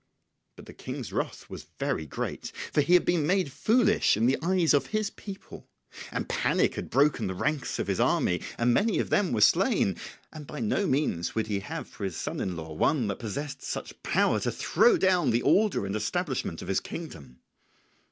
But the King's wrath was very great, for he had been made foolish in the eyes of his people, and panic had broken the ranks of his army and many of them were slain; and by no means would he have for his son in law one that possessed such power to throw down the order and establishment of his kingdom.